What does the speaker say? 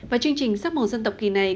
và chương trình sắp màu dân tộc kỳ này